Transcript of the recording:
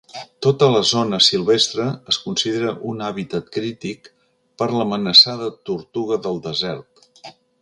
Tota la zona silvestre es considera un hàbitat crític per l'amenaçada Tortuga del Desert.